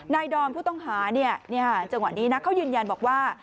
ดอมผู้ต้องหาจังหวะนี้นะเขายืนยันบอกว่า